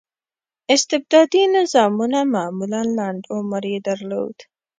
استبدادي نظامونه معمولا لنډ عمر یې درلود.